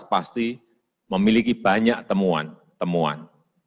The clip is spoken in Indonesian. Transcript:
pasti memiliki banyak temuan temuan